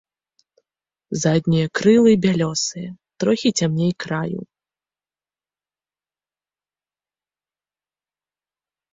Заднія крылы бялёсыя, трохі цямней краю.